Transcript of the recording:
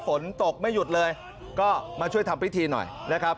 ฝนตกไม่หยุดเลยก็มาช่วยทำพิธีหน่อยนะครับ